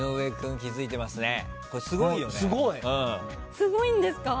すごいんですか？